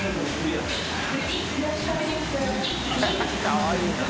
かわいいな。